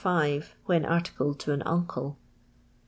\r when articb d to an uncle.